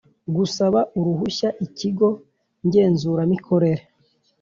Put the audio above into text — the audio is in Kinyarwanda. gusaba uruhushya Ikigo Ngenzuramikorere